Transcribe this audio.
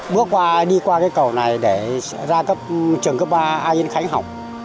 bước qua đi qua cầu này để ra trường cấp ba a yên khánh học